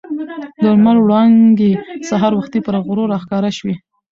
د لمر وړانګې سهار وختي پر غرو راښکاره شوې.